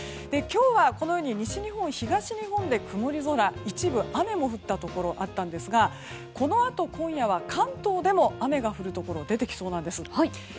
今日は、このように西日本、東日本で曇り空一部、雨も降ったところもあったんですがこのあと今夜は関東でも雨が降るところが出てきそうです。